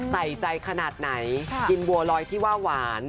ใส่ใจขนาดไหนกินบัวลอยที่ว่าหวาน